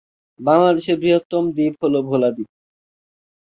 বাংলাদেশের বৃহত্তম দ্বীপ হলো ভোলা দ্বীপ।